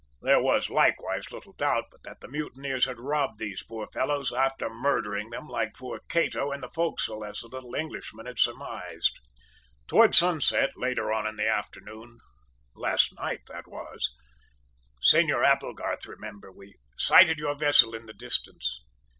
There was, likewise, little doubt but that the mutineers had robbed those poor fellows, after murdering them like poor Cato, in the forecastle, as the little Englishman had surmised. "Towards sunset, later on in the afternoon last night that was Senor Applegarth, remember, we sighted your vessel in the distance.